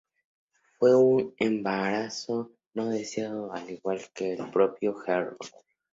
Fue un embarazo no deseado, al igual que el del propio Georg.